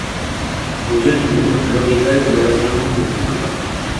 Aux yeux du monde, Laurita et Lorenzo forment le couple parfait.